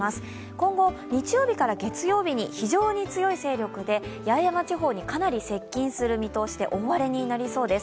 今後、日曜日から月曜日に非常に強い勢力で八重山地方にかなり接近する見通しで大荒れになりそうです。